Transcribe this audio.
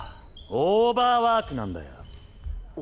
オーバーワークなんだよ！